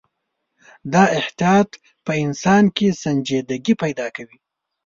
دا احتیاط په انسان کې سنجیدګي پیدا کوي.